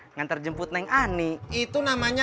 ngantar jemput neng ani itu namanya